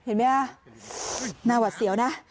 เห็นไหมฮะหน้าหวัดเสียวนะ